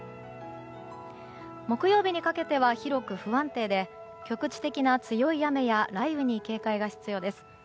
木曜日にかけては広く不安定で局地的な強い雨や雷雨に警戒が必要です。